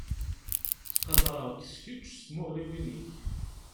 Ttqadareɣ-k s kečč s tmuɣliwin-ik.